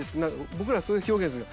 僕らそういう表現する。